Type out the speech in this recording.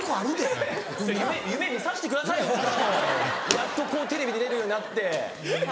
やっとこうテレビ出れるようになって。